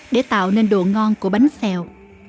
để tạo nên độ ngon của bánh xèo